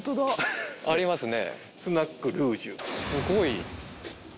すごい。